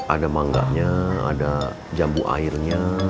ada mangganya ada jambu airnya